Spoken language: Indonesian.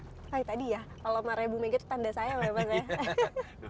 tadi ya kalau marah bu mega itu tanda saya pak